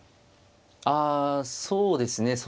あそうですね。